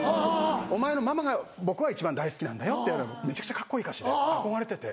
お前のママが僕は一番大好きなんだよってめちゃくちゃカッコいい歌詞で憧れてて。